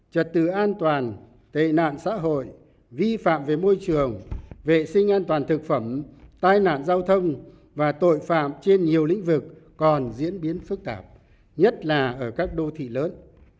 trật tự an toàn tệ nạn xã hội vi phạm về môi trường vệ sinh an toàn thực phẩm tai nạn giao thông và tội phạm trên nhiều lĩnh vực còn diễn biến phức tạp nhất là ở các đô thị lớn